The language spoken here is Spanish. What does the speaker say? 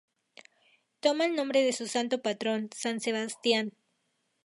Toma el nombre de su santo patrón, San Sebastián.